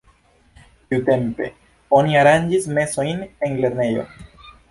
Tiutempe oni aranĝis mesojn en lernejo.